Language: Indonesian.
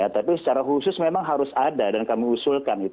tapi secara khusus memang harus ada dan kami usulkan